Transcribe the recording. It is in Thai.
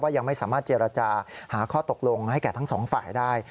ยังไม่สามารถเจรจาหาข้อตกลงให้แก่ทั้งสองฝ่ายได้